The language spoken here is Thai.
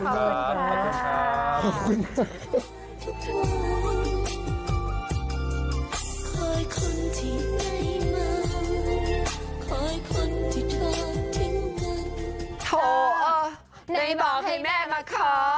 ขอบคุณมาก